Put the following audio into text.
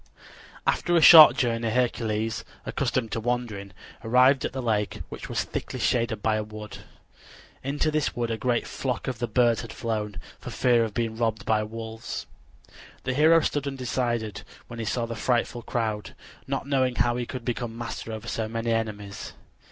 [Illustration: THE HERO APPROACHED THE DREADFUL MONSTER] After a short journey Hercules, accustomed to wandering, arrived at the lake, which was thickly shaded by a wood. Into this wood a great flock of the birds had flown for fear of being robbed by wolves. The hero stood undecided when he saw the frightful crowd, not knowing how he could become master over so many enemies.